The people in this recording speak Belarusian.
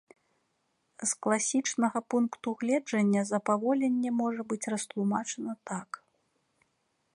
З класічнага пункту гледжання запаволенне можа быць растлумачана так.